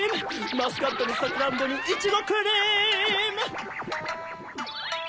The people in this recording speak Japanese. マスカットにさくらんぼにいちごクリーム！